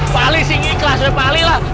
pak ali singi kelasnya pak ali lah